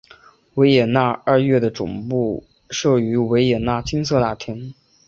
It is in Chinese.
维也纳爱乐的总部设于维也纳金色大厅。